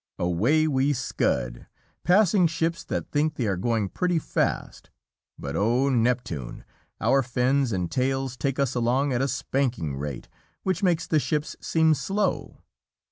Away we scud, passing ships that think they are going pretty fast, but, O Neptune! our fins and tails take us along at a spanking rate, which makes the ships seem slow.